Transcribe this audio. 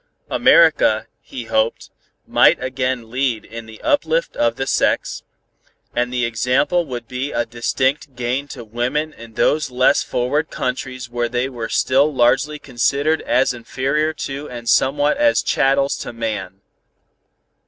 America, he hoped, might again lead in the uplift of the sex, and the example would be a distinct gain to women in those less forward countries where they were still largely considered as inferior to and somewhat as chattels to man.